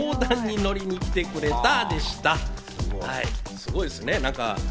すごいですね。